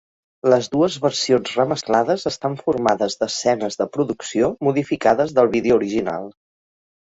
Les dues versions remesclades estan formades d'escenes de producció modificades del vídeo original.